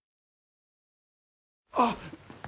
あっ！